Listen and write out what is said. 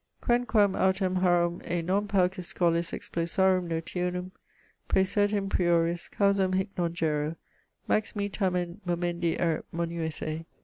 Quanquam autem harum e non paucis scholis explosarum notionum, praesertim prioris, causam hic non gero, maximi tamen momendi erit monuisse.